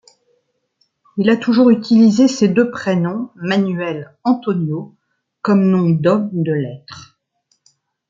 Il a toujours utilisé ses deux prénoms Manuel Antonio comme nom d'homme de lettres.